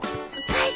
はい！